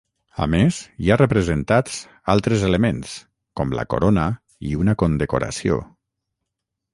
A més hi ha representats altres elements com la corona i una condecoració.